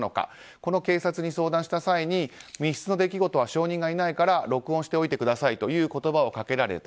この警察に相談した際に密室の出来事は証人がいないので録音しておいてくださいという言葉をかけられた。